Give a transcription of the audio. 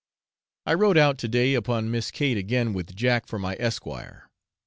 I rode out to day upon Miss Kate again, with Jack for my esquire.